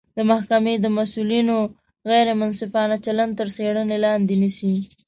د محکمې د مسوولینو غیر منصفانه چلند تر څیړنې لاندې نیسي